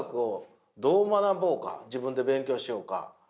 自分で勉強しようか？